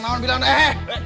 jangan jangan jangan